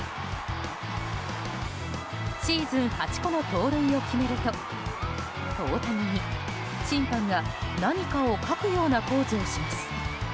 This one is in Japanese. シーズン８個目の盗塁を決めると大谷に、審判が何かを書くようなポーズをします。